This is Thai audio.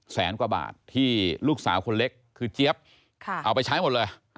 แสนกว่าบาทที่ลูกสาวคนเล็กคือเจี๊ยบเอาไปใช้หมดเลย